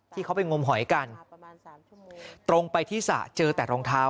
ที่เขาไปงมหอยกันตรงไปที่สระเจอแต่รองเท้า